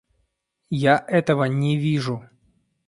Я этого не вижу.